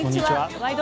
「ワイド！